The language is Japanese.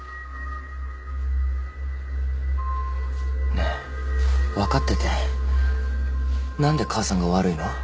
ねえ分かってて何で母さんが悪いの？